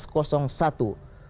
jadi kita minta